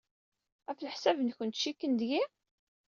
Ɣef leḥsab-nwent, cikken deg-i?